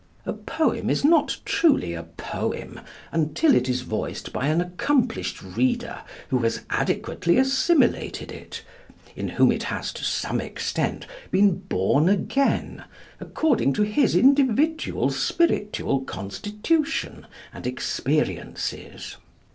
A poem is not truly a poem until it is voiced by an accomplished reader who has adequately assimilated it in whom it has, to some extent, been born again, according to his individual spiritual constitution and experiences.